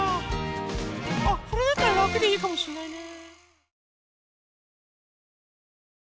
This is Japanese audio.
あこれだったららくでいいかもしれないね。